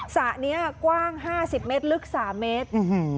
สระนี้กว้าง๕๐เมตรลึก๓เมตร